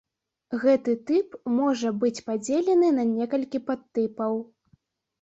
Гэты тып можа быць падзелены на некалькі падтыпаў.